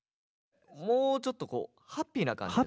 もうちょっとこうハッピーな感じでさ。